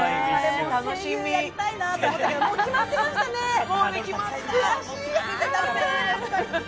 声優やりたいなと思ったらもう決まってましたね、悔しい。